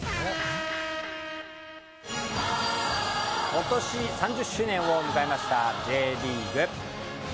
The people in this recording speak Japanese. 今年３０周年を迎えましたＪリーグ。